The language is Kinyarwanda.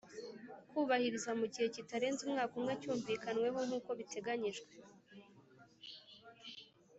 Kubahiriza mu gihe kitarenze umwaka umwe cyumvikanweho nk uko biteganyijwe